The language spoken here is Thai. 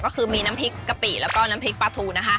ก็คือมีน้ำพริกกะปิแล้วก็น้ำพริกปลาทูนะคะ